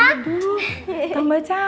aduh tambah cakti